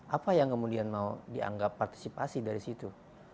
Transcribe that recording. apa yang kemudian mau dianggap partisipasi dari situ